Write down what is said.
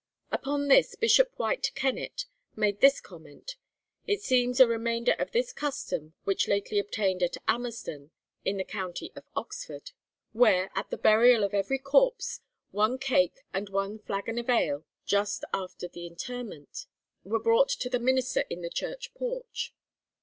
Upon this, Bishop White Kennet made this comment: 'It seems a remainder of this custom which lately obtained at Amersden, in the county of Oxford; where, at the burial of every corpse, one cake and one flaggon of ale, just after the interment, were brought to the minister in the church porch.'